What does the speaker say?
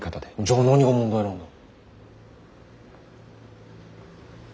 じゃあ何が問題なんだ？